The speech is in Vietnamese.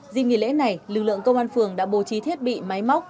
dịp nghỉ lễ này lực lượng công an phường đã bổ trí thiết bị máy móc